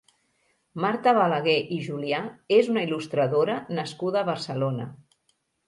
Marta Balaguer i Julià és una il·lustradora nascuda a Barcelona.